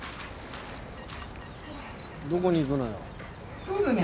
どこに行くのよ？